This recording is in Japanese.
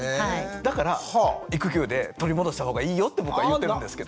だから育休で取り戻したほうがいいよって僕は言ってるんですけどね。